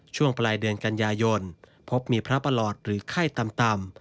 ช่วงปลายเดือนกันยายนพบมีพระประหลอดหรือไข้ต่ำ